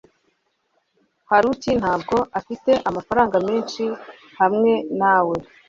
haruki ntabwo afite amafaranga menshi hamwe na we